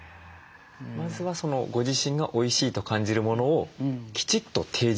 まずはご自身がおいしいと感じるものをきちっと提示するという。